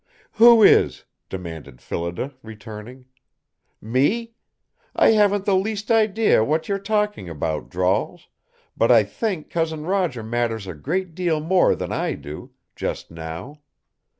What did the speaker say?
"Who is?" demanded Phillida, returning. "Me? I haven't the least idea what you are talking about, Drawls, but I think Cousin Roger matters a great deal more than I do, just now.